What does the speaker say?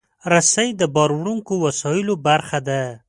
رسۍ د باروړونکو وسایلو برخه ده.